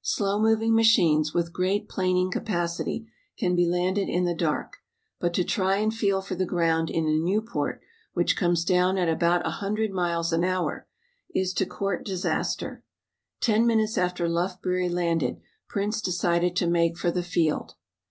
Slow moving machines, with great planing capacity, can be landed in the dark, but to try and feel for the ground in a Nieuport, which comes down at about a hundred miles an hour, is to court disaster. Ten minutes after Lufbery landed Prince decided to make for the field.